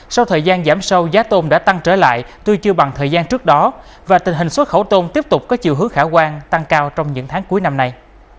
sau thời gian giảm sâu giá tôm đã tăng trở lại tuy chưa bằng thời gian trước đó và tình hình xuất khẩu tôm tiếp tục có chiều hướng khả quan tăng cao trong những tháng cuối năm nay